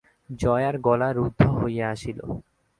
জয়ার গলা রুদ্ধ হইয়া আসিল।